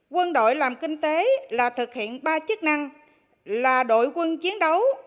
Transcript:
quân đội làm kinh tế là thực hiện ba chức năng là đội quân chiến đấu